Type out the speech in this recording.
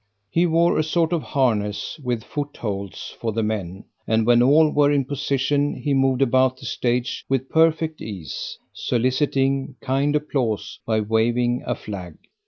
He wore a sort of harness with footholds for the men, and when all were in position he moved about the stage with perfect ease, soliciting "kind applause" by waving a flag.